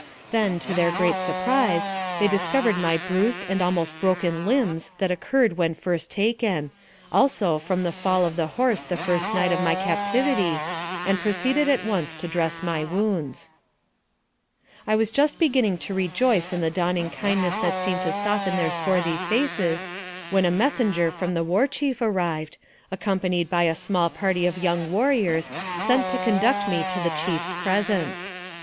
Then, to their great surprise, they discovered my bruised and almost broken limbs that occurred when first taken, also from the fall of the horse the first night of my captivity, and proceeded at once to dress my wounds. 86 NARRATIVE OF CAPTIVITY I was just beginning to rejoice in the dawning kind ness that seemed to soften their swarthy faces, when a messenger from the war chief arrived, accompanied by a small party of young warriors sent to conduct me to the chiefs presence.